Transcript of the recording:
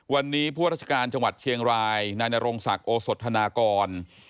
วันนี้ผู้ราชการจังหวัดเชียงรายนายนรงศักดิ์โอสธนากร